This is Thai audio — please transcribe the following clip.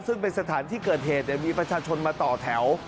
ซึ่งเป็นสถานที่เกิดเหตุมีประชาชนมาต่อแถว